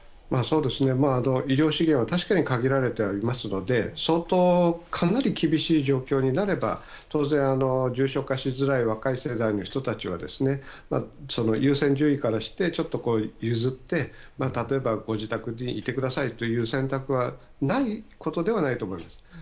医療資源は確かに限られていますので相当かなり厳しい状況になれば当然、重症化しづらい若い世代の人たちは優先順位からしてちょっと譲って、例えばご自宅にいてくださいという選択はないことではないと思います。